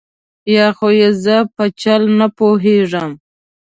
یا خو یې زه په چل نه پوهېږم.